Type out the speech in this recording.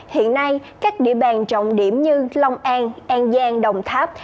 hiện nay các địa bàn trọng điểm như long an an giang đồng tháp